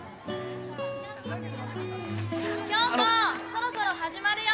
そろそろ始まるよ